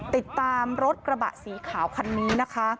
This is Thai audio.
ติดตามรถกระบะสีขาวคันนี้นะคะ